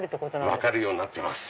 分かるようになってます。